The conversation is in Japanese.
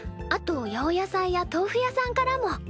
あと八百屋さんや豆腐屋さんからも。